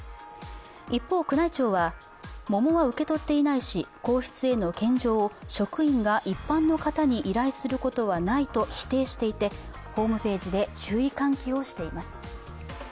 一方、宮内庁は桃は受け取っていないし、皇室への献上を職員が一般の方に依頼することはないと否定していて、ホームページで注意喚起をしています。